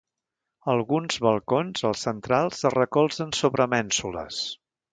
Alguns balcons, els centrals es recolzen sobre mènsules.